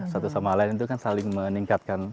satu sama lain itu kan saling meningkatkan